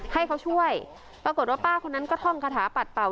ให้เขาช่วยปรากฏว่าป้าคนนั้นก็ท่องคาถาปัดเป่า